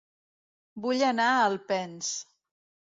Vull anar a Alpens